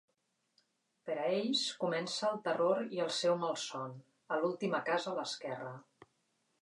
Per a ells, comença el terror i el seu malson, a l'última Casa a l'esquerra.